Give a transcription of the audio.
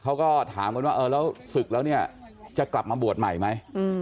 เขาก็ถามกันว่าสึกแล้วจะกลับมาบวชใหม่ไหม